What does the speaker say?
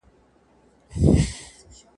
شاترینه مي یاده ده.